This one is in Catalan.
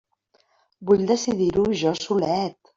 Vull decidir-ho jo solet!